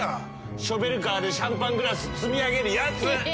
ショベルカーでシャンパングラス積み上げるやつ。